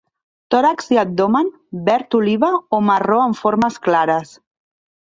Tòrax i abdomen verd oliva o marró amb formes clares.